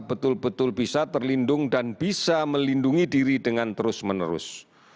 betul betul bisa terlindung dan bisa melindungi diri dengan terus menerus